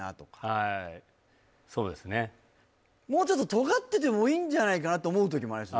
もうちょっと尖っててもいいんじゃないかなと思う時もありますよ